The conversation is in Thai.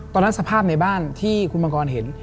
ตอนนั้นสภาพในบ้านที่คุณมังกรเห็น